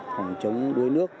phòng chống đuối nước